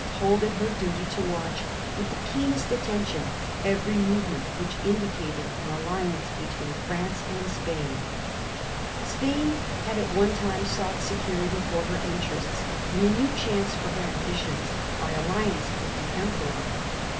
hold it her duty to watch with the keenest attention ev ery movement which indicated an alliance between France and Spain. Spain had at one time sought security for her interests, and a new chance for her ambitions, by alliance with the Emperor.